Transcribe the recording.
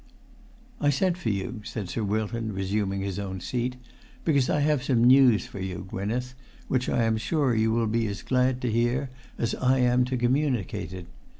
"I sent for you," said Sir Wilton, resuming his own seat, "because I have some news for you, Gwynneth, which I am sure you will be as glad to hear as I am to communicate it.